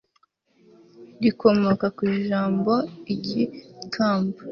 rikomoka kw'ijambo igikamba